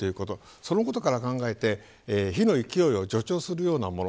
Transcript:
そのことから考えて火の勢いを助長するようなもの